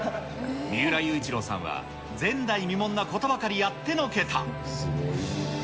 三浦雄一郎さんは、前代未聞なことばかりやってのけた。